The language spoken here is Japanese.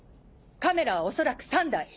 カメラは恐らく３台。